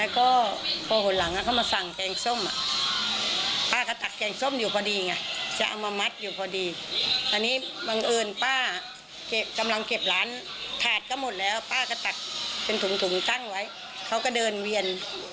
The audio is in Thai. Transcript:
เก็บร้านธาตุก็หมดแล้วป้าก็ตักเป็นถุงถุงตั้งไว้ก็เดินเวียน